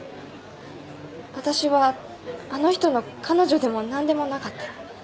わたしはあの人の彼女でも何でもなかった。